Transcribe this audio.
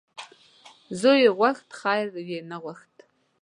زوی یې غوښت خیر یې نه غوښت .